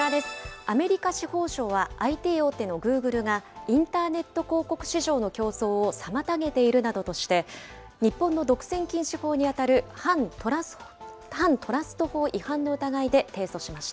アメリカ司法省はＩＴ大手のグーグルが、インターネット広告市場の競争を妨げているなどとして、日本の独占禁止法に当たる反トラスト法違反の疑いで提訴しました。